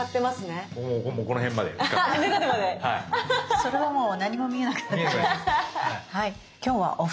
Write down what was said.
それはもう何も見えなくなっちゃいます。